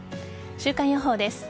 週間予報です。